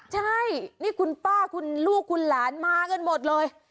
ใช่นี่คุณป้าคุณลูกคุณหลานมากันหมดเลย